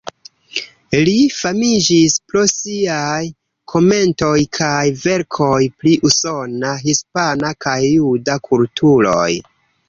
Li famiĝis pro siaj komentoj kaj verkoj pri usona, hispana kaj juda kulturoj.